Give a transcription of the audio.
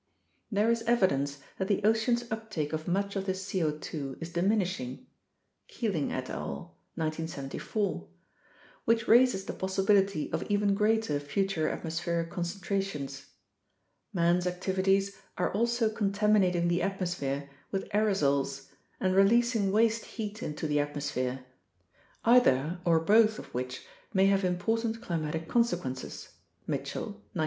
There is evidence that the ocean's uptake of much of this C0 2 is diminishing (Keeling et al., 1974), which raises the possibility of even greater future atmospheric concentrations. Man's activities are also con taminating the atmosphere with aerosols and releasing waste heat into the atmosphere, either (or both) of which may have important climatic consequences (Mitchell, 1973b).